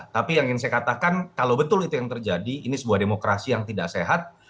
tapi yang ingin saya katakan kalau betul itu yang terjadi ini sebuah demokrasi yang tidak sehat